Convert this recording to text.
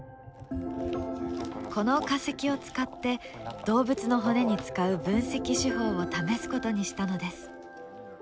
この化石を使って動物の骨に使う分析手法を試すことにしたのです。